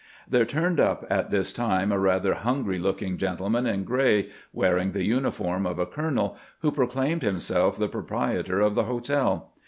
There turned up at this time a rather hungry looking gentleman in gray, wearing the uniform of a colonel, who proclaimed himself the proprietor of the hotel.